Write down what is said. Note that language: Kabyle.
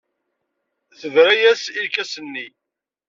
Tebra-as i lkas-nni.